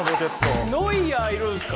ノイアーいるんすか？